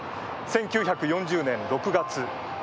１９４０年６月。